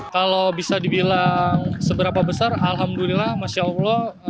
kalau bisa dibilang seberapa besar alhamdulillah masya allah